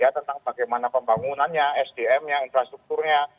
tentang bagaimana pembangunannya sdm nya infrastrukturnya